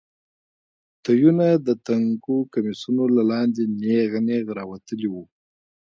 تيونه يې د تنګو کميسونو له لاندې نېغ نېغ راوتلي وو.